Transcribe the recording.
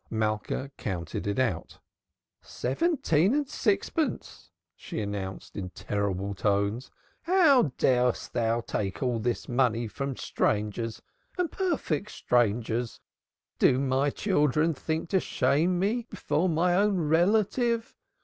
Malka counted it out. "Seventeen and sixpence," she announced in terrible tones. "How darest thou take all this money from strangers, and perfect strangers? Do my children think to shame me before my own relative?"